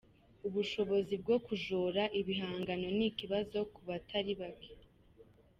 Ubushobozi bwo kujora ibihangano ni ikibazo ku batari bake.